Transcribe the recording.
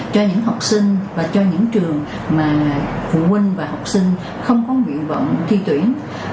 cho những học sinh và cho những trường mà phụ huynh và học sinh không có nguyện vọng thi tuyển